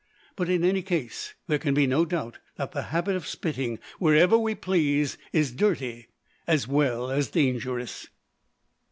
But, in any case, there can be no doubt that the habit of spitting wherever we please is dirty as well as dangerous.